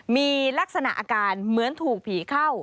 มีลักษณะอาการเหมือนถูกผีเข้า